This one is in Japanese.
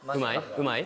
うまい？